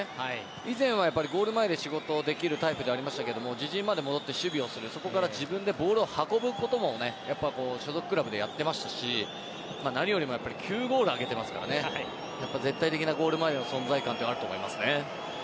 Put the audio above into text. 以前はゴール前で仕事できるタイプではありましたが自陣まで戻って守備をするそこから自分でボールを運ぶことも所属クラブでやっていましたし何よりも９ゴール挙げていますから絶対的なゴール前の存在感あると思います。